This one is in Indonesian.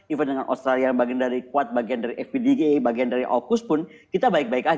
even dengan australia yang bagian dari quad bagian dari fpdg bagian dari aukus pun kita baik baik aja gitu